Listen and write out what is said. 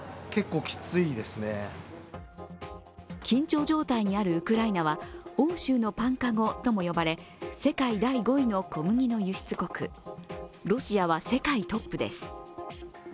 緊張状態にあるウクライナは欧州のパンのかごとも呼ばれ世界第５位の小麦の輸出国、ロシアは世界トップです。